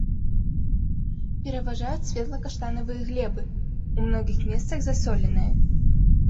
Пераважаюць светла-каштанавыя глебы, у многіх месцах засоленыя.